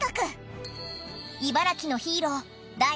茨城のヒーローうわ！